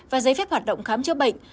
và giấy phép hoạt động khám chữa bệnh